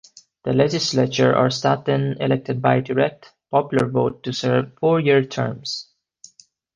The legislature or Staten elected by direct, popular vote to serve four-year terms.